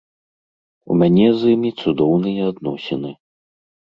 У мяне з імі цудоўныя адносіны.